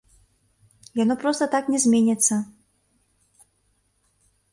Яно проста так не зменіцца.